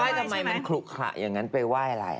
ไม่ได้ไหว้ทำไมมันขลุกขะอย่างนั้นไปไหว้อะไรอ่ะ